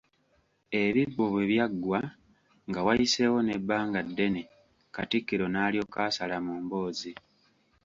Ebibbo bwe byaggwa, nga wayiseewo n'ebbanga ddene, Katikkiro n'alyoka asala mu mboozi.